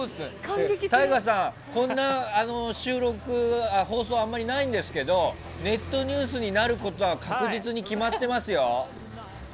ＴＡＩＧＡさん、こういう放送はあんまりないんですけどネットニュースになることは確実に決まってますよ。